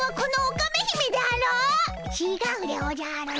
ちがうでおじゃる！